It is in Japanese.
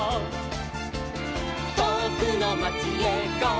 「とおくのまちへゴー！